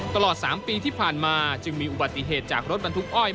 ตลอด๓ปีที่ผ่านมาจึงมีอุบัติเหตุจากรถบรรทุกอ้อย